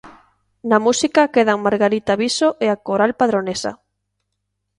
Na música quedan Margarita Viso e a Coral Padronesa.